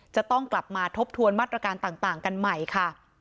จะต้องกลับมาทบทวนมาตรการต่างกันใหม่ค่ะ